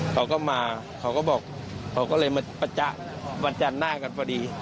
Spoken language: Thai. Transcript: เขาก็มาเขาก็บอกเขาก็เลยมาประจ๊ะวันจันทร์หน้ากันพอดี